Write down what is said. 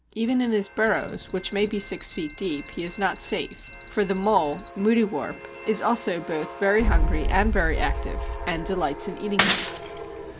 Even in his burrows, which may be six feet deep, he is not safe, for the mole (moudiewarp) is also both very hungry and very active, and delights in eating him.